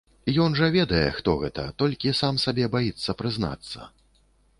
Ён жа ведае хто гэта, толькі сам сабе баіцца прызнацца.